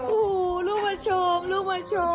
ฮู้ลูกมาชมลูกมาชม